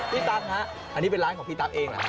ตั๊กฮะอันนี้เป็นร้านของพี่ตั๊กเองเหรอ